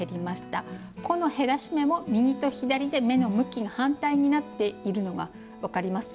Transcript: この減らし目も右と左で目の向きが反対になっているのが分かります？